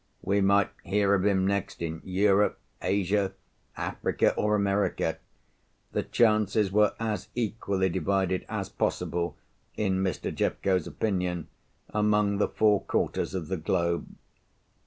We might hear of him next in Europe, Asia, Africa, or America. The chances were as equally divided as possible, in Mr. Jeffco's opinion, among the four quarters of the globe.